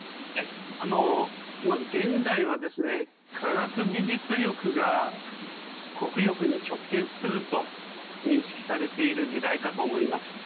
現代は科学技術力が国力に直結すると認識されている時代かと思います。